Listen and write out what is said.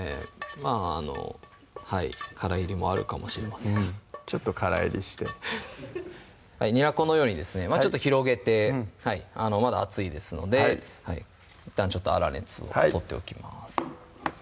まぁあのからいりもあるかもしれませんちょっとからいりしてにらこのようにですね広げてまだ熱いですのでいったん粗熱を取っておきます